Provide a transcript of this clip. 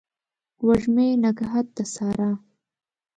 وږمې نګهت د سارا